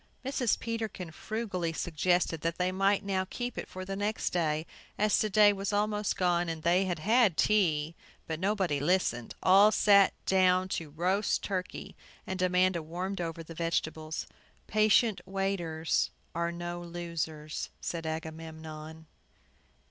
Mrs. Peterkin frugally suggested that they might now keep it for the next day, as to day was almost gone, and they had had tea. But nobody listened. All sat down to the roast turkey; and Amanda warmed over the vegetables. "Patient waiters are no losers," said Agamemnon.